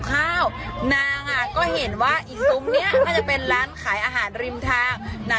แต่เขาก็ดูว่าเจ้าของงานเขาก็เชิญเข้าน่ะ